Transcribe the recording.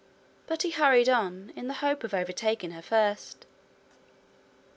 But he hurried on in the hope of overtaking her first.